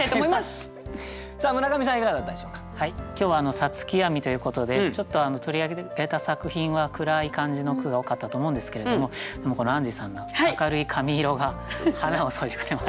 今日は「五月闇」ということでちょっと取り上げた作品は暗い感じの句が多かったと思うんですけれどもでもアンジーさんの明るい髪色が花を添えてくれまして。